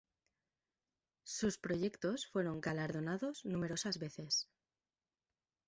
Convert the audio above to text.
Sus proyectos fueron galardonados numerosas veces.